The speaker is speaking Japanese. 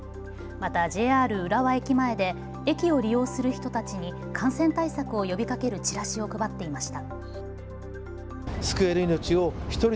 またＪＲ浦和駅前で駅を利用する人たちに感染対策を呼びかけるチラシを配っていました。